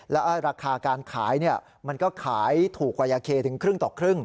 แล้วราคาการขายมันก็ขายถูกกว่ายาเคถึงครึ่งต่อครึ่ง